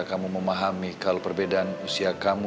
kamu memahami kalau perbedaan usia kamu